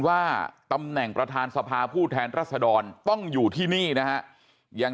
ว่าตำแหน่งประธานสภาผู้แทนรัศดรต้องอยู่ที่นี่นะฮะยัง